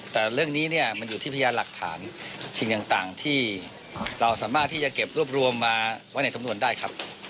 แต่เรื่องนี้เนี่ยมันอยู่ที่พยานหลักฐานสิ่งต่างที่เราสามารถที่จะเก็บรวบรวมมาไว้ในสำนวนได้ครับ